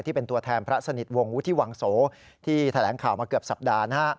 ที่เป็นตัวแทนพระสนิทวงศวุฒิวังโสที่แถลงข่าวมาเกือบสัปดาห์